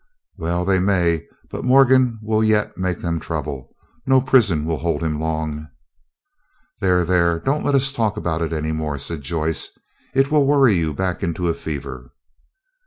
"Well they may, but Morgan will yet make them trouble. No prison will hold him long." "There, there, don't let us talk about it any more," said Joyce; "it will worry you back into a fever."